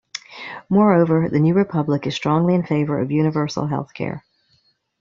Moreover, "The New Republic" is strongly in favor of universal health care.